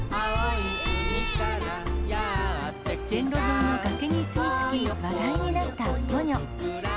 線路沿いの崖に住み着き、話題になったポニョ。